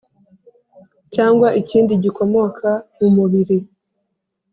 cyangwa ikindi gikomoka mu mubiri